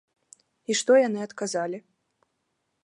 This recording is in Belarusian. І што яны адказалі?